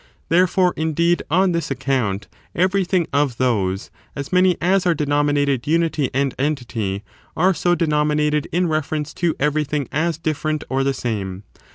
Therefore, indeed, on this account, everything of those, as many as are denominated unity and entity, are so deno minated in reference to everything as different or the same.